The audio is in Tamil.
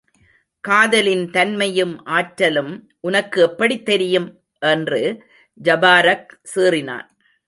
காதலின் தன்மையும் ஆற்றலும் உனக்கு எப்படித் தெரியும்? என்று ஜபாரக் சீறினான்.